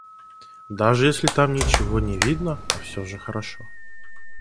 Даже если там ничего не видно, а всё же хорошо.